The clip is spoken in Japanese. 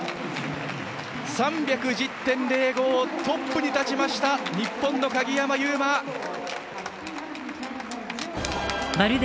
３１０．０５、トップに立ちました、日本の鍵山優真。